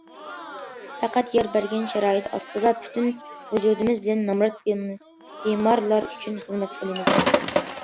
پەقەت يار بەرگەن شارائىت ئاستىدا پۈتۈن ۋۇجۇدىمىز بىلەن نامرات بىمارلار ئۈچۈن خىزمەت قىلىمىز.